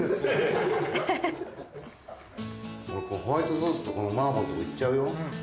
ホワイトソースとこの麻婆のとこいっちゃうよ。